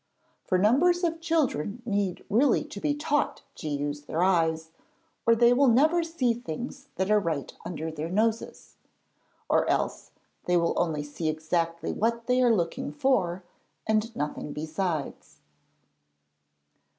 For numbers of children need really to be taught to use their eyes, or they will never see things that are right under their noses; or else they will only see exactly what they are looking for, and nothing besides.